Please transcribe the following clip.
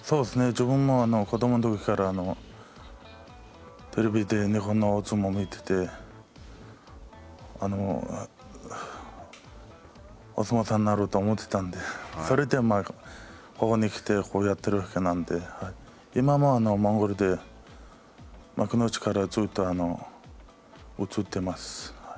自分も子どものときからテレビで日本の相撲を見ててお相撲さんになろうと思ってたんでそれでここに来てこうやっているわけなので今もモンゴルで幕内からずっと映ってます。